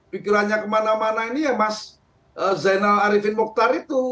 pikirannya kemana mana ini ya mas zainal arifin mokhtar itu